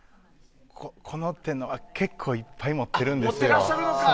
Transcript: この手のは結構いっぱい持ってるんですよ。